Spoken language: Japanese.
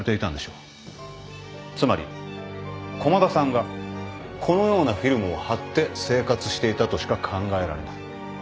つまり駒田さんがこのようなフィルムを貼って生活していたとしか考えられない。